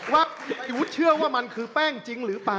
ว่าพี่วุฒิเชื่อว่ามันคือแป้งจริงหรือเปล่า